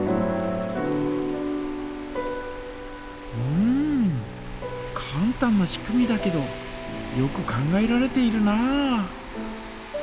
うんかん単な仕組みだけどよく考えられているなあ。